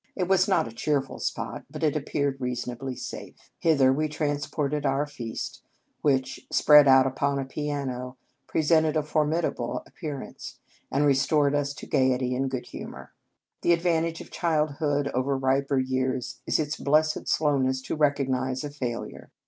It was not a cheerful spot; but it appeared reasonably safe. Hither we transported our feast, which, spread out upon a piano, presented a formid able appearance, and restored us to gayety and good humour. The advan tage of childhood over riper years is its blessed slowness to recognize a failure.